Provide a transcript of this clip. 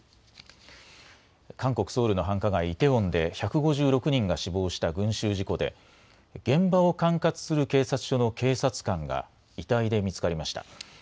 韓国・ソウルの繁華街、イテウォンで、１５６人が死亡した群集事故で、現場を管轄する警察署の警察官が遺体で見つかりました。